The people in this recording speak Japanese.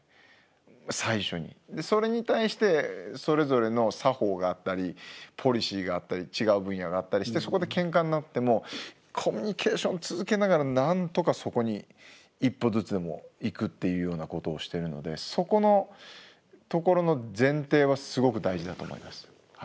それに対してそれぞれの作法があったりポリシーがあったり違う分野があったりしてそこでケンカになってもコミュニケーション続けながらなんとかそこに一歩ずつでもいくっていうようなことをしてるのでそこのところの前提はすごく大事だと思います。